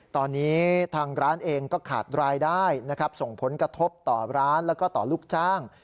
ตอนนี้ทางร้านเองก็ขาดรายได้นะครับส่งผลกระทบต่อร้านแล้วก็ต่อลูกจ้าง